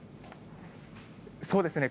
そうですね。